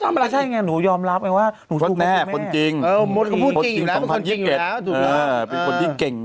เห็นพี่หนูว่าเขาจะสั่งทั้ง๕